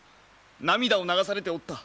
涙を流されておった。